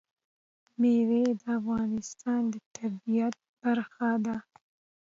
مېوې د افغانستان د طبیعت برخه ده.